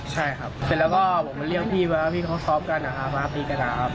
ใช่ครับแล้วก็บอกมาเรียกพี่เพราะว่าพี่เค้าชอบกันนะครับมาตีกันนะครับ